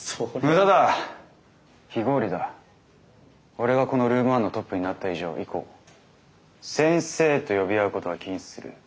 俺がこのルーム１のトップになった以上以降先生と呼び合うことは禁止する。